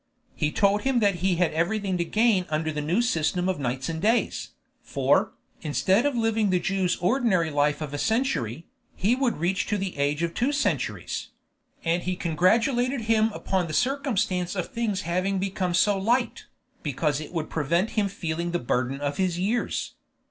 He told him that he had everything to gain under the new system of nights and days, for, instead of living the Jew's ordinary life of a century, he would reach to the age of two centuries; and he congratulated him upon the circumstance of things having become so light, because it would prevent him feeling the burden of his years.